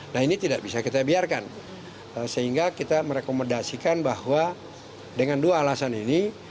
nah ini tidak bisa kita biarkan sehingga kita merekomendasikan bahwa dengan dua alasan ini